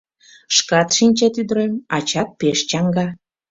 — Шкат шинчет, ӱдырем, ачат пеш чаҥга.